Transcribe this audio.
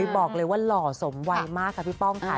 บอกเลยว่าหล่อสมวัยมากค่ะพี่ป้องค่ะ